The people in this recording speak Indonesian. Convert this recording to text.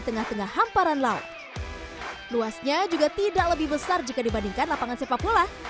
tengah tengah hamparan laut luasnya juga tidak lebih besar jika dibandingkan lapangan sepak bola